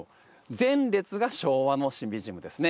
前列が昭和のシンビジウムですね。